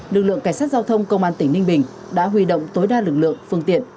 lực lượng cảnh sát giao thông công an tỉnh ninh bình đã huy động tối đa lực lượng phương tiện